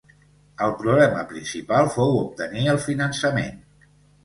El problema principal fou obtenir el finançament.